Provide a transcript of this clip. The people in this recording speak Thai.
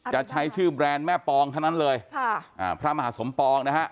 จะใช้ชื่อแบรนด์แม่ปองทั้งนั้นเลยค่ะอ่าพระมหาสมปองนะฮะ